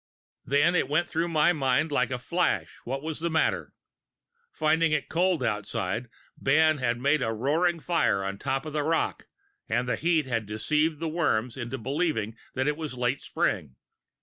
"Then it went through my mind like a flash what was the matter. Finding it cold outside, Ben had made a roaring fire on the top of the rock, and the heat had deceived the worms into the belief that it was late spring.